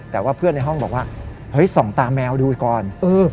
แต่ว่าเพื่อนในห้องบอกว่าเฮ้ยส่องตาแมวดูก่อน